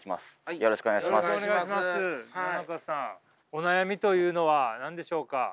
お悩みというのは何でしょうか？